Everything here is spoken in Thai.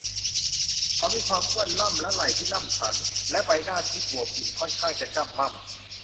เขามีความอ้วนล่ำและไหล่ที่ล่ำสัน และใบหน้าที่อวบอิ่มค่อนข้างจะจ้ำม่ำ